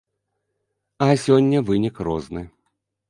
А сёння вынік розны.